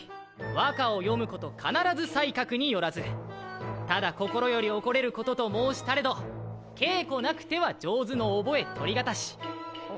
「和歌をよむ事かならず才学によらずただ心よりおこれる事と申したれど稽古なくては上手のおぼえ取りがたし」。